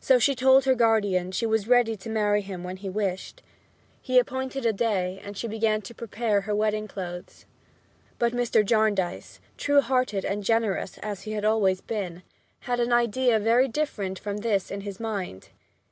So she told her guardian she was ready to marry him when he wished. He appointed a day, and she began to prepare her wedding clothes. But Mr. Jarndyce, true hearted and generous as he had always been, had an idea very different from this in his mind.